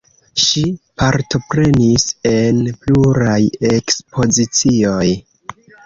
Ŝi partoprenis en pluraj ekspozicioj.